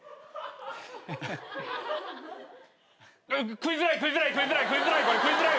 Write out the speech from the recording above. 食いづらい食いづらい食いづらいわ。